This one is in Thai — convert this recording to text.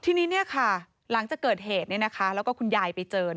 ทีนี้หลังจากเกิดเหตุแล้วก็คุณยายไปเจอ